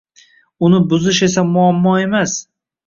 Uni buzish esa muammo emas.